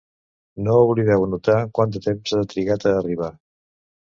No oblideu anotar quant de temps ha trigat a arribar.